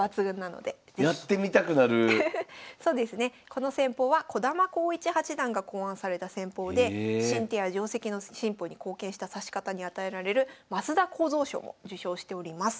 この戦法は児玉孝一八段が考案された戦法で新手や定跡の進歩に貢献した指し方に与えられる升田幸三賞も受賞しております。